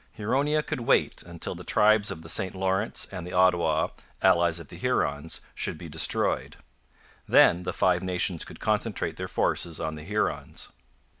Huronia could wait until the tribes of the St Lawrence and the Ottawa, allies of the Hurons, should be destroyed. Then the Five Nations could concentrate their forces on the Hurons.